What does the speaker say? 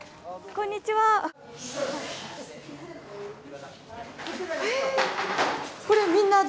こんにちは。え。